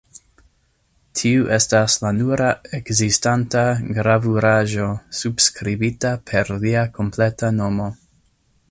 Tiu estas la nura ekzistanta gravuraĵo subskribita per lia kompleta nomo.